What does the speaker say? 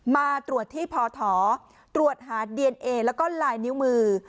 มาตรวจที่พอถอตรวจหาดีเอนเอแล้วก็ลายนิ้วมือ